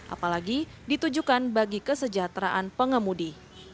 apalagi ditujukan bagi kesejahteraan pengemudi